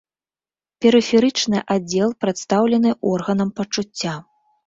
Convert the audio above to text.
Перыферычны аддзел прадстаўлены органам пачуцця.